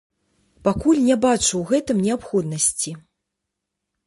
Пакуль не бачу ў гэтым неабходнасці.